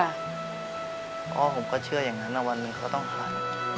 ก็ผมก็เชื่ออย่างนั้นว่าวันหนึ่งเขาต้องหาย